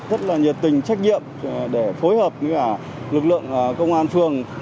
rất là nhiệt tình trách nhiệm để phối hợp với cả lực lượng công an phường